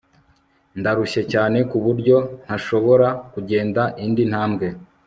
Ndarushye cyane kuburyo ntashobora kugenda indi ntambwe